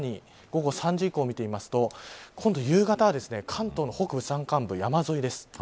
さらに午後３時以降見てみると今度夕方は関東の北部山間部、山沿いです。